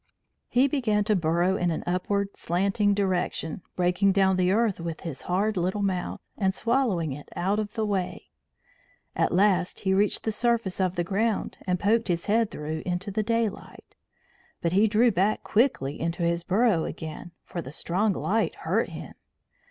He began to burrow in an upward, slanting direction, breaking down the earth with his hard little mouth, and swallowing it out of the way. At last he reached the surface of the ground and poked his head through into the daylight. But he drew back quickly into his burrow again, for the strong light hurt him.